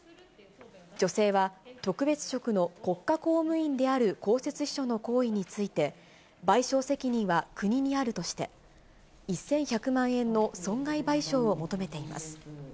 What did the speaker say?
女性は、特別職の国家公務員である公設秘書の行為について、賠償責任は国にあるとして、１１００万円の損害賠償を求めています。